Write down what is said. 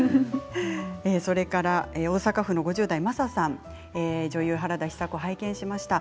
それから大阪府の５０代の方「女優原田ヒサ子」を拝見しました。